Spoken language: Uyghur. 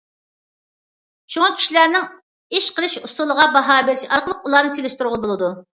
شۇڭا، كىشىلەرنىڭ ئىش قىلىش ئۇسۇلىغا باھا بېرىش ئارقىلىق ئۇلارنى سېلىشتۇرغىلى بولىدۇ.